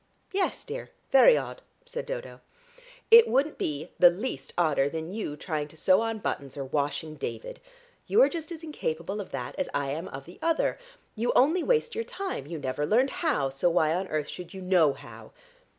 "Yes, dear, very odd," said Dodo. "It wouldn't be the least odder than you trying to sew on buttons or washing David. You are just as incapable of that as I am of the other. You only waste your time; you never learned how, so why on earth should you know how?